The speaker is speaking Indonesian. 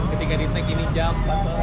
ketika di take ini jam empat